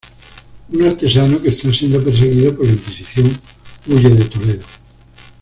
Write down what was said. Un artesano, que está siendo perseguido por la Inquisición, huye de Toledo.